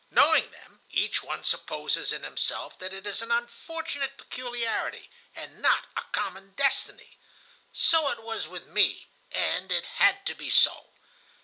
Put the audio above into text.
Knowing them, each one supposes in himself that it is an unfortunate peculiarity, and not a common destiny. So it was with me, and it had to be so.